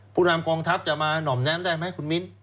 ผู้นำกองทัพจะมาหน่อมแน้มได้ไหมคุณมิ้น